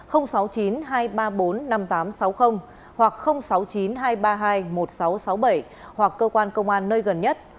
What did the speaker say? hoặc sáu mươi chín hai trăm ba mươi hai một nghìn sáu trăm sáu mươi bảy hoặc cơ quan công an nơi gần nhất